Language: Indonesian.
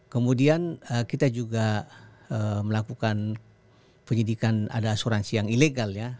kemudian kita juga melakukan penyidikan ada asuransi yang ilegal ya